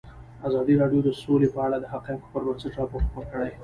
ازادي راډیو د سوله په اړه د حقایقو پر بنسټ راپور خپور کړی.